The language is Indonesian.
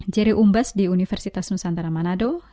jerry umbas di universitas nusantara manado